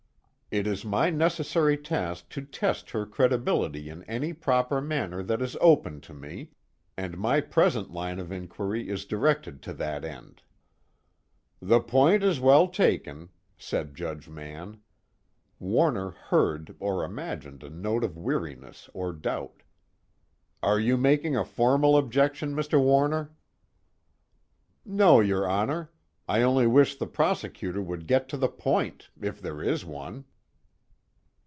It is my necessary task to test her credibility in any proper manner that is open to me, and my present line of inquiry is directed to that end." "The point is well taken," said Judge Mann. Warner heard or imagined a note of weariness or doubt. "Are you making a formal objection, Mr. Warner?" "No, your Honor. I only wish the prosecutor would get to the point, if there is one."